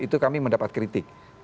itu kami mendapat kritik